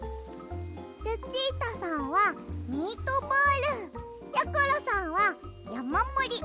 ルチータさんはミートボール。やころさんはやまもりおやさいです。